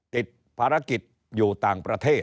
ติดภารกิจอยู่ต่างประเทศ